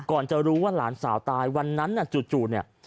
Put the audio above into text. ก่อนจะรู้ว่าหลานสาวตายวันนั้นน่ะจู่เนี่ย